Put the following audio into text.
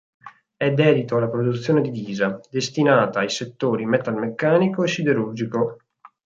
È dedito alla produzione di ghisa, destinata ai settori metalmeccanico e siderurgico.